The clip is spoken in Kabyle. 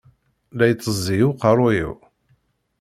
La ittezzi uqerruy-iw.